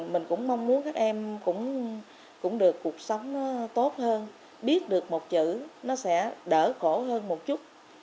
mình cũng mong muốn các em cũng được cuộc sống tốt hơn biết được một chữ nó sẽ đỡ khổ hơn một chút